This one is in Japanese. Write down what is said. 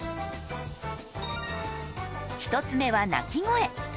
１つ目は鳴き声。